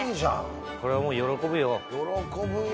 これはもう喜ぶよ。